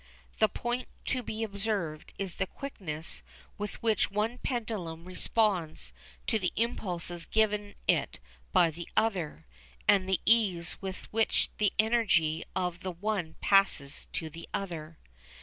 The point to be observed is the quickness with which one pendulum responds to the impulses given it by the other, and the ease with which the energy of the one passes to the other.